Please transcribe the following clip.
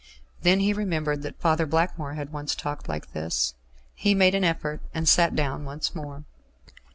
Then he remembered that Father Blackmore had once talked like this. He made an effort, and sat down once more.